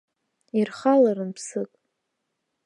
Ирхаларын ԥсык.